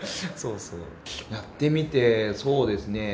やってみてそうですね